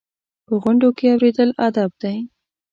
په غونډو کې اورېدل ادب دی.